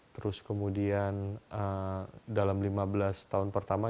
terus kemudian dalam lima belas tahun pertama